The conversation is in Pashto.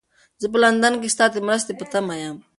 زه په لندن کې ستا د مرستې په تمه یم.